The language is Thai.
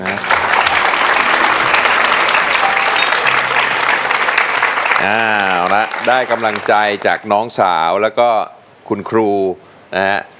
เอาละได้กำลังใจจากน้องสาวแล้วก็คุณครูนะฮะ